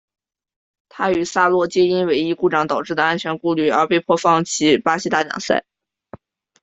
他与萨洛皆因尾翼故障导致的安全顾虑而被迫放弃巴西大奖赛。